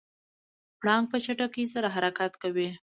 پړانګ په چټکۍ سره حرکت کوي.